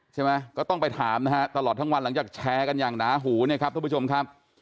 ใช่ไหมก็ต้องไปถามนะฮะตลอดทั้งวันหลังจากแชร์กันอย่างหนาหูเนี่ยครับทุกผู้ชมครับ